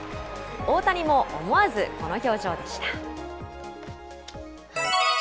大谷も思わずこの表情でした。